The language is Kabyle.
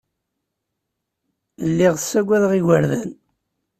Lliɣ ssagadeɣ igerdan.